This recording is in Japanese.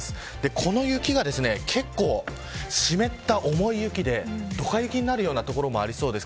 この雪が、結構湿った重い雪でドカ雪になるような所もありそうです。